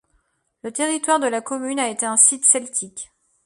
Le territoire de la commune a été un site celtique.